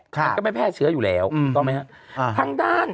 มันก็ไม่แพร่เชื้ออยู่แล้วต้องไหมฮะทางด้าน